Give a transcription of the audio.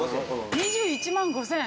◆２１万５０００円？